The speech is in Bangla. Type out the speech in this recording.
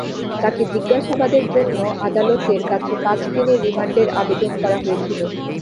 তাকে জিজ্ঞাসাবাদের জন্য আদালতের কাছে পাঁচ দিনের রিমান্ডের আবেদন করা হয়েছিল।